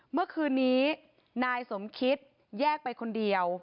เมื่อคืนนี้นายสมคิตแยกไปคนเดียว